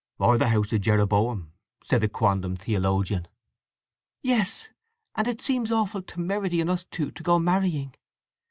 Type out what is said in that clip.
"Or the house of Jeroboam," said the quondam theologian. "Yes. And it seems awful temerity in us two to go marrying!